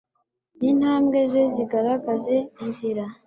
n’intambwe ze zigaragaze inzira